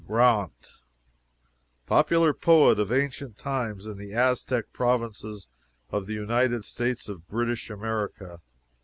GRAUNT popular poet of ancient times in the Aztec provinces of the United States of British America.